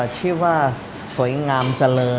ชื่อว่าสวยงามเจริญ